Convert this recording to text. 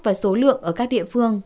và số lượng ở các địa phương